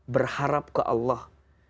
berharap ke allah